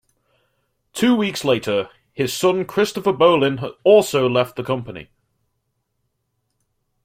Two weeks later, his son Christopher Bolin also left the company.